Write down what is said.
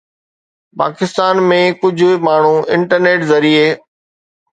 پاڪستان ۾ ڪجهه ماڻهو انٽرنيٽ ذريعي